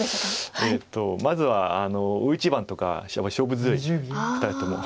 まずは大一番とか勝負強い２人とも。